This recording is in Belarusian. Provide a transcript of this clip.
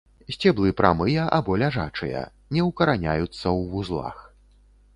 Сцеблы прамыя або ляжачыя, не укараняюцца ў вузлах.